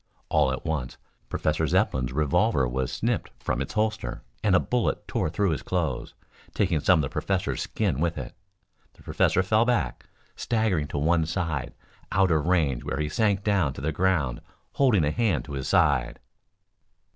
All at once Professor Zepplin's revolver was snipped from its holster and a bullet tore through his clothes, taking some of the professor's skin with it. The professor fell back, staggering to one side out of range where he sank down to the ground holding a hand to his side.